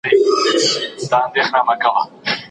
انسانان په یو ټولنیز واحد کي اوسیږي.